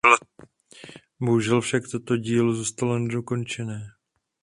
Bohužel však toto dílo zůstalo nedokončené.